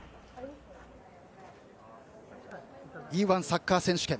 Ｅ‐１サッカー選手権。